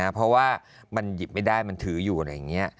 เพราะว่ามันหยิบไม่ได้มันถืออยู่อะไรอย่างนี้